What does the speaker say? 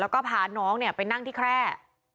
แล้วก็พาน้องไปนั่งที่แคร่